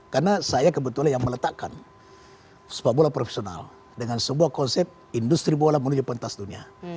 karena saya kebetulan yang meletakkan sebuah bola profesional dengan sebuah konsep industri bola menuju pentas dunia